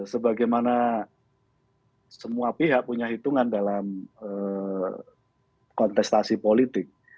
sebagaimana semua pihak punya hitungan dalam kontestasi politik